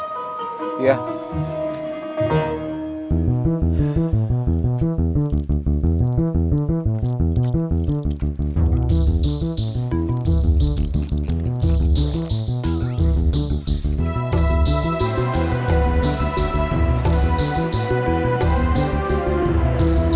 saya beli isi ganti udah pains